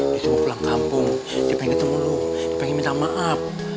dia mau pulang kampung dia pengen ketemu lu dia pengen minta maaf